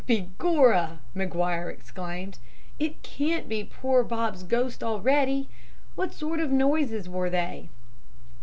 "'Begorra!' Maguire exclaimed, 'it can't be poor Bob's ghost already! What sort of noises were they?'